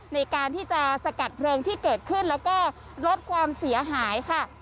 ในการที่จะสกัดเพลิงที่เกิดขึ้นแล้วก็ลดความเสียหายค่ะ